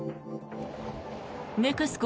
ネクスコ